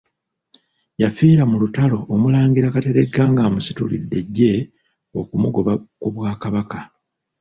Yafiira mu lutalo Omulangira Kateregga ng'amusitulidde eggye okumugoba ku Bwakabaka.